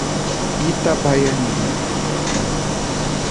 Itabaianinha